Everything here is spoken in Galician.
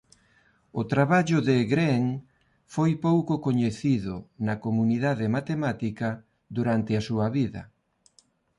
O traballo de Green foi pouco coñecido na comunidade matemática durante a súa vida.